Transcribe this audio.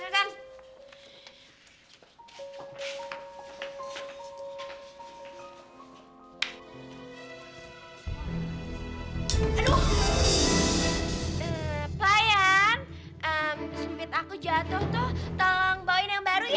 aduh bayang sempit aku jatuh tolong bawain yang baru ya